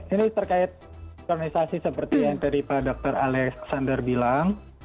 ini terkait kronisasi seperti yang tadi pak dr alexander bilang